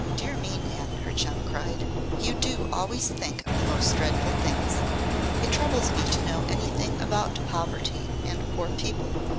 "Dear me, Nan!" her chum cried. "You do always think of the most dreadful things. It troubles me to know anything about poverty and poor people.